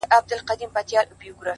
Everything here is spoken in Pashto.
هلته د افغان وطن